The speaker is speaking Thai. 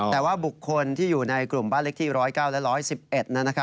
แต่ว่าบุคคลที่อยู่ในกลุ่มบ้านเลขที่ร้อยเก้าและร้อยสิบเอ็ด